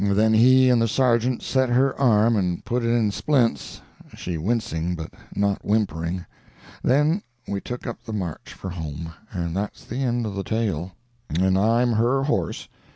Then he and the sergeant set her arm and put it in splints, she wincing but not whimpering; then we took up the march for home, and that's the end of the tale; and I'm her horse.